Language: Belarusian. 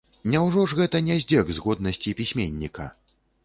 Няўжо ж гэта не здзек з годнасці пісьменніка.